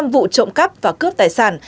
năm vụ trộm cắp và cướp tài sản